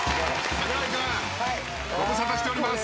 櫻井君ご無沙汰しております。